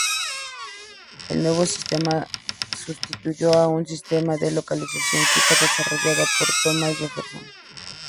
El nuevo sistema sustituyó a un sistema de localización fija desarrollado por Thomas Jefferson.